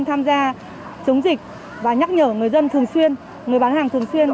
tham gia chống dịch và nhắc nhở người dân thường xuyên người bán hàng thường xuyên